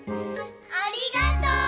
ありがとう！